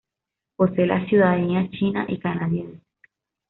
Posee la ciudadanía china y canadiense.